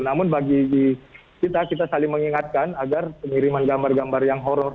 namun bagi kita kita saling mengingatkan agar pengiriman gambar gambar yang horror